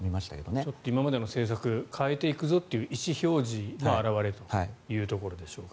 ちょっと今までの政策を変えていくぞという意思表示の表れでしょうか。